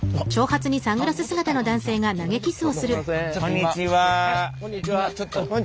こんにちは。